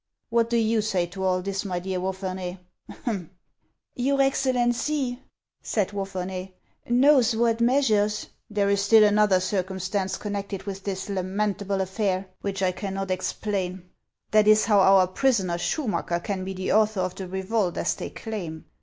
What do you say to all this, my dear Wapherney ? Ahem .'"" Your Excellency," said Wapherney, " knows what measures —"" There is still another circumstance connected with this lamentable affair which I cannot explain; that is, how our prisoner Schumacker can be the author of the revolt, as they claim.